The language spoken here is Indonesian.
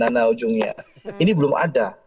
nana ujungnya ini belum ada